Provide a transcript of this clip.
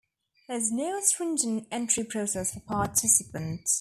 There is no stringent entry process for participants.